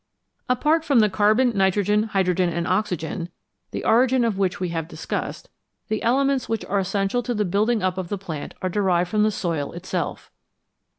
Apart from the carbon, nitrogen, hydrogen, and oxygen, 222 CHEMISTRY AND AGRICULTURE the origin of which we have discussed, the elements which are essential to the building up of the plant are derived from the soil itself.